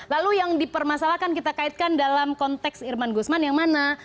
lalu yang dipermasalahkan kita kaitkan dalam konteks irman gusman yang mana